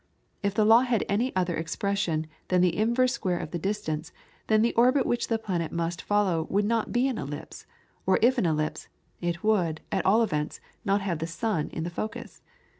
If the law had any other expression than the inverse square of the distance, then the orbit which the planet must follow would not be an ellipse; or if an ellipse, it would, at all events, not have the sun in the focus.